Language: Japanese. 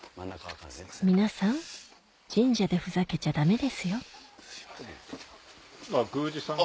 皆さん神社でふざけちゃダメですよ